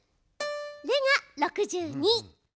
「レ」が６２。